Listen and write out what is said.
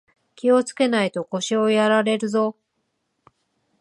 気をつけないと腰やられるぞ